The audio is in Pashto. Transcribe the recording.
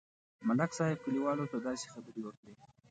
ملک صاحب کلیوالو ته داسې خبرې وکړې.